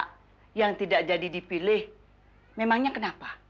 kalau tidak jadi dipilih memangnya kenapa